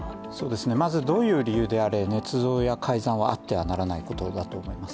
まずどういう理由であれ、ねつ造や改ざんはあってはならないことだと思います。